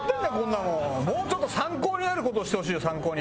もうちょっと参考になる事をしてほしいよ参考に。